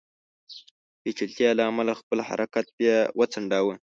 پېچلتیا له امله خپل حرکت بیا وځنډاوه.